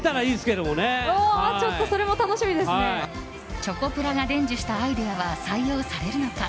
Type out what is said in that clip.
チョコプラが伝授したアイデアは採用されるのか。